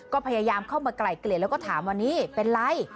ก็พยายามเข้ามาไกลเกลี่ยแล้วก็ถามวันนี้เป็นไร